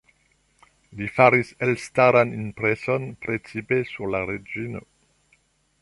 Ili faris elstaran impreson, precipe sur la reĝino.